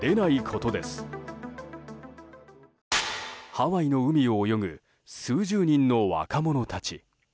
ハワイの海を泳ぐ数十人の若者たち。